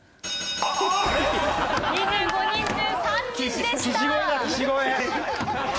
２５人中３人でした。